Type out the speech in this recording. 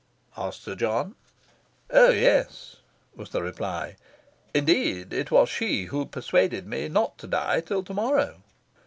asked Sir John. "Oh yes," was the reply. "Indeed, it was she who persuaded me not to die till to morrow."